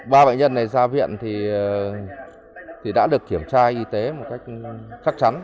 ba bệnh nhân này ra viện thì đã được kiểm tra y tế một cách chắc chắn